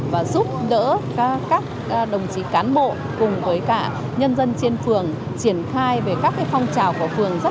và giúp đỡ các đồng chí cán bộ cùng với cả nhân dân trên phường triển khai về các phong trào của phường